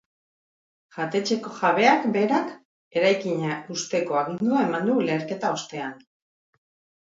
Jatetxeko jabeak berak eraikina husteko agindua eman du leherketa ostean.